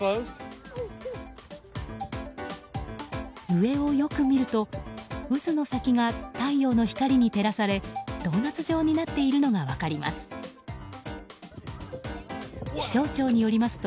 上をよく見ると渦の先が太陽の光に照らされドーナツ状になっているのが分かります。